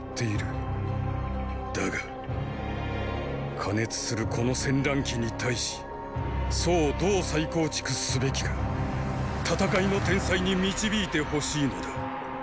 だが過熱するこの戦乱期に対し楚をどう再構築すべきか戦いの天才に導いて欲しいのだ。